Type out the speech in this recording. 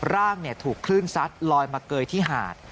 ร่างถูกคลื่นซัดลอยมาเกยที่หาด